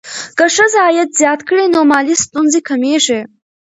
که ښځه عاید زیات کړي، نو مالي ستونزې کمېږي.